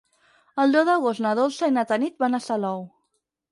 El deu d'agost na Dolça i na Tanit van a Salou.